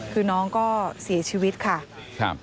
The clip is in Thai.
คือน้องก็เสียชีวิตค่ะครับ